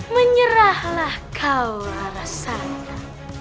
menyerahlah kau arasaka